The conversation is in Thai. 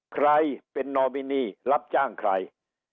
ใครเป็นนอมินีรับจ้างใคร